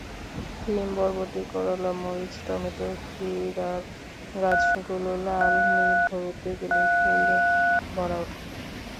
শিম, বরবটি, করলা, মরিচ, টমেটো, ক্ষীরার গাছগুলোও লাল-নীল-হলুদ-বেগুনি ফুলে ভরে ওঠে।